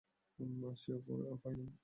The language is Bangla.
আর সে উপায় নেই!